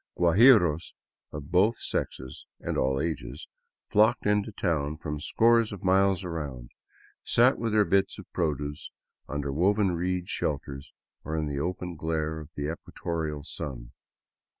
Guajiros of both sexes and all ages, flocked into town from scores of miles around, sat with their bits of produce under woven reed shelters, or in the open glare of the equatorial sun.